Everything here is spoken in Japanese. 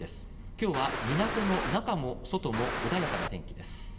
今日は、港の中も外も穏やかな天気です。